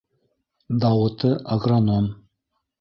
Дауыты — агроном.